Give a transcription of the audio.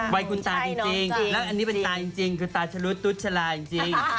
วัยคุณตาจริงแล้วอันนี้เป็นตาจริงคือตาชะลุดตุ๊ดชะลาจริง